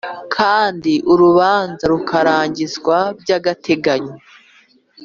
Kandi urubanza rukarangizwa by agateganyo